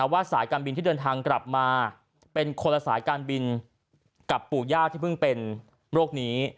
สายการบินที่เดินทางกลับมาเป็นคนละสายการบินกับปู่ย่าที่เพิ่งเป็นโรคนี้